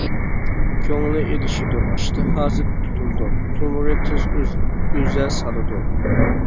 كۆڭلى ئېلىشىدۇ، ئىشتىھاسى تۇتۇلىدۇ، تومۇرى تېز ئۈزە سالىدۇ.